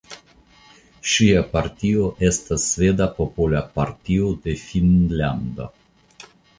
Ŝia partio estas Sveda Popola Partio de Finnlando.